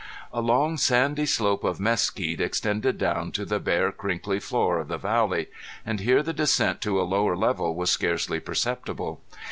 A long sandy slope of mesquite extended down to the bare crinkly floor of the valley, and here the descent to a lower level was scarcely perceptible.